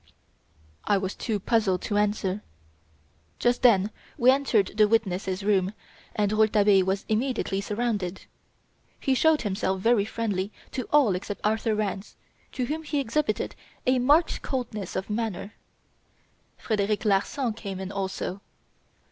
I was too puzzled to answer. Just then we entered the witnesses' room, and Rouletabille was immediately surrounded. He showed himself very friendly to all except Arthur Rance to whom he exhibited a marked coldness of manner. Frederic Larsan came in also.